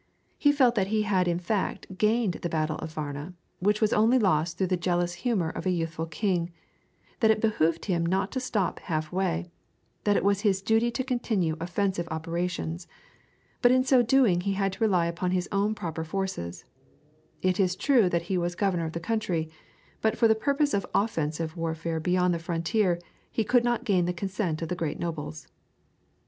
He felt that he had in fact gained the battle of Varna, which was only lost through the jealous humor of a youthful king; that it behoved him not to stop half way; that it was his duty to continue offensive operations. But in so doing he had to rely upon his own proper forces. It is true that he was governor of the country, but for the purpose of offensive warfare beyond the frontier he could not gain the consent of the great nobles.